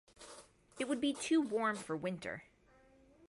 It would be too warm for winter.